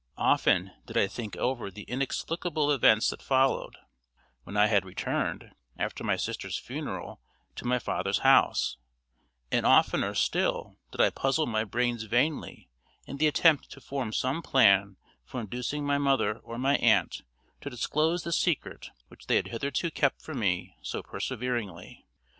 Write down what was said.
Often did I think over the inexplicable events that followed, when I had returned, after my sister's funeral, to my father's house; and oftener still did I puzzle my brains vainly, in the attempt to form some plan for inducing my mother or my aunt to disclose the secret which they had hitherto kept from me so perseveringly.